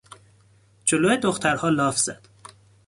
جلو دخترها لاف زد.